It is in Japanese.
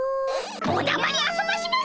おだまりあそばしませ！